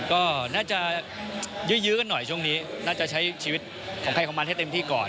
ก็น่าจะยื้อกันหน่อยช่วงนี้น่าจะใช้ชีวิตของใครของมันให้เต็มที่ก่อน